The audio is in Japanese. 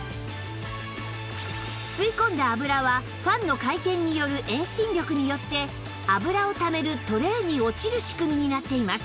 吸い込んだ油はファンの回転による遠心力によって油をためるトレーに落ちる仕組みになっています